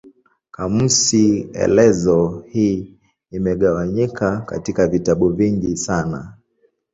Kamusi elezo hii imegawanyika katika vitabu vingi sana.